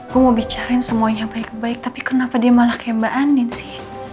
gue mau bicarain semuanya baik baik tapi kenapa dia malah kehembaanin sih